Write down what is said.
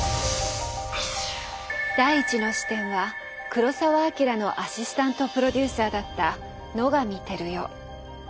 第１の視点は黒澤明のアシスタント・プロデューサーだった野上照代。